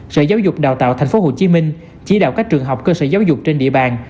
sở giáo dục đào tạo tp hcm chỉ đạo các trường học cơ sở giáo dục trên địa bàn